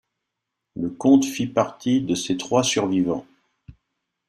Le comte fit partie de ces trois survivants.